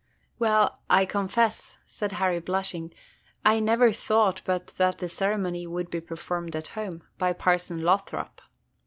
"Well, I confess," said Harry, blushing, "I never thought but that the ceremony would be performed at home, by Parson Lothrop."